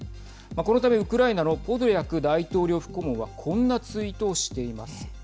このため、ウクライナのポドリャク大統領府顧問はこんなツイートをしています。